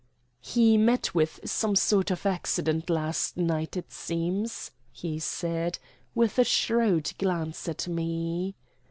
"He met with some sort of accident last night, it seems," he said, with a shrewd glance at me.